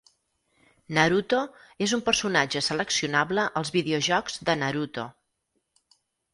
Naruto és un personatge seleccionable als videojocs de "Naruto".